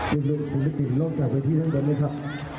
เป็นเรื่องสำหรับอีกนิดนึงร่วมจากที่ทั้งแต่นี้ครับ